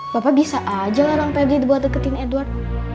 bapak bisa aja larang pep gue buat deketin edward